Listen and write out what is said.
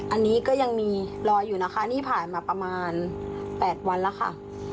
อันนี้ก็ยังมีรออยู่นะคะนี่ผ่านมาประมาณ๘วันแล้วค่ะ